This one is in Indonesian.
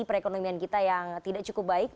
perekonomian kita yang tidak cukup baik